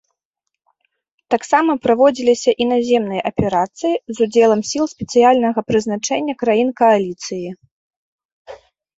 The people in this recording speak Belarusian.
Таксама праводзіліся і наземныя аперацыі з удзелам сіл спецыяльнага прызначэння краін кааліцыі.